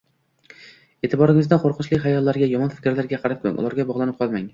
E’tiboringizni qo‘rqinchli xayollarga, yomon fikrlarga qaratmang, ularga bog‘lanib qolmang.